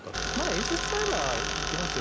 衛星を使えばいけますよ。